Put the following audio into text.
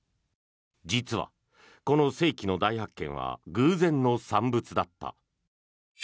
実は、この世紀の大発見は偶然の産物だった。